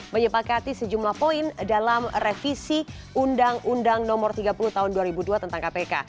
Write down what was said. menyepakati sejumlah poin dalam revisi undang undang no tiga puluh tahun dua ribu dua tentang kpk